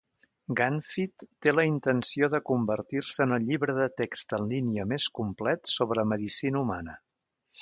Ganfyd té la intenció de convertir-se en el llibre de text en línia més complet sobre medicina humana.